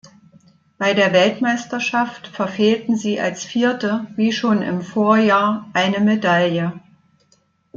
Bei der Weltmeisterschaft verfehlten sie als Vierte wie schon im Vorjahr eine Medaille.